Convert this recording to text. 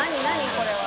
これは。